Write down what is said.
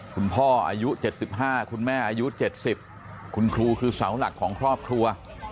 คุณพ่ออายุ๗๕คุณแม่อายุ๗๐คุณครูคือเสาหลักของครอบครัว